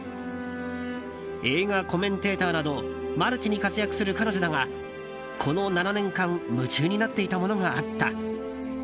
映画コメンテーターなどマルチに活躍する彼女だがこの７年間夢中になっていたものがあった。